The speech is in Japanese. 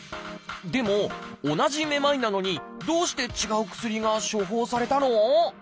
でも同じめまいなのにどうして違う薬が処方されたの？